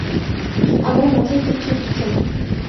আমার মাথায় কিচ্ছু ঢুকছে না।